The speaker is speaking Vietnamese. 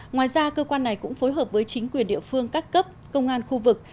ngoài ra cơ quan này cũng phối hợp với chính quyền địa phương các cấp công an khu vực